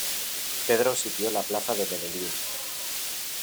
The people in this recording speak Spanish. Pedro sitió la plaza de Medellín.